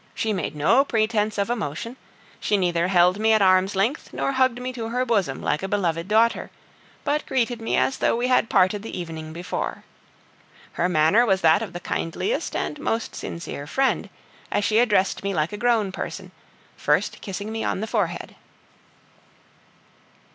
She made no pretence of emotion; she neither held me at arm's length nor hugged me to her bosom like a beloved daughter, but greeted me as though we had parted the evening before. Her manner was that of the kindliest and most sincere friend, as she addressed me like a grown person, first kissing me on the forehead.